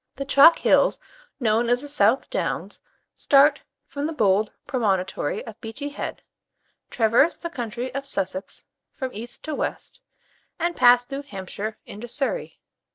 The chalk hills known as the South Downs start from the bold promontory of Beachy Head, traverse the county of Sussex from east to west, and pass through Hampshire into Surrey.